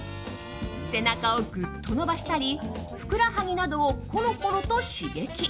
背中をぐっと伸ばしたりふくらはぎなどをコロコロと刺激。